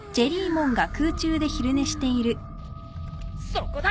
そこだ！